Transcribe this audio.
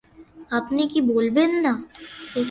আপনি কি বলবেন না?